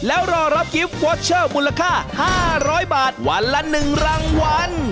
แล้วรอรับกิฟต์วอเชอร์มูลค่า๕๐๐บาทวันละ๑รางวัล